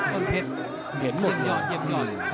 ต้นเพชรเย็มยอดเย็มยอด